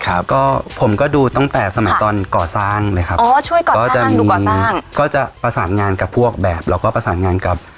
ครับก็ผมก็ดูตั้งแต่สมัยตอนก่อสร้างเลยครับอ๋อช่วยก่อนก็จะดูก่อสร้างก็จะประสานงานกับพวกแบบแล้วก็ประสานงานกับ